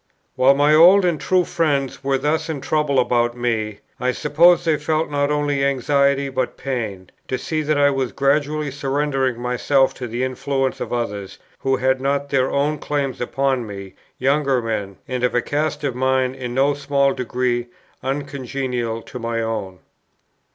While my old and true friends were thus in trouble about me, I suppose they felt not only anxiety but pain, to see that I was gradually surrendering myself to the influence of others, who had not their own claims upon me, younger men, and of a cast of mind in no small degree uncongenial to my own.